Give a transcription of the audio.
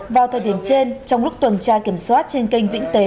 vào thời điểm trên trong lúc tuần tra kiểm soát trên kênh